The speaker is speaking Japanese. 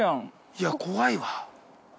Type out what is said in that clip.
◆いや、怖いわ。